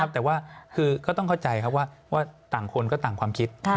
แต่ว่าคือก็ต้องเข้าใจว่าต่างคนก็ต่างความคิด